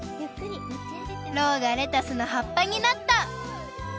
ろうがレタスのはっぱになった！